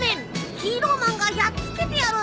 ヒーローマンがやっつけてやる。